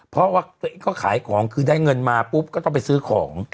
เพราะว่าตัวเองก็ขายของคือได้เงินมาปุ๊บก็ต้องไปซื้อของ